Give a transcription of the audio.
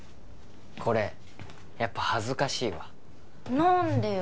これやっぱ恥ずかしいわ何でよ？